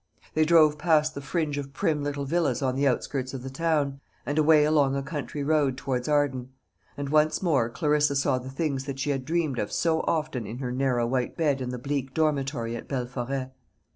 They drove past the fringe of prim little villas on the outskirts of the town, and away along a country road towards Arden; and once more Clarissa saw the things that she had dreamed of so often in her narrow white bed in the bleak dormitory at Belforêt.